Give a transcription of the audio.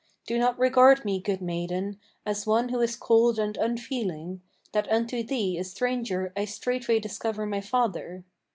Do not regard me, good maiden, as one who is cold and unfeeling, That unto thee a stranger I straightway discover my father.